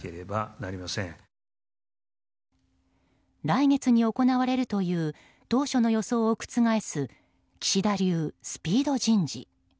来月に行われるという当初の予想を覆す岸田流スピード人事。